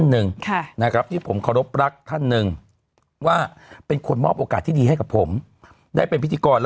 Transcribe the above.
คุณแอมตอนนี้เขาอยากรู้ว่าคุณเน็บใครที่คุณโพสต์น่ะ